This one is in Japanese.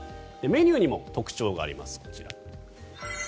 メニューにも特徴があります。